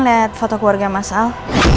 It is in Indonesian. boleh kan liat foto keluarga mas al